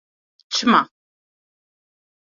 Çima?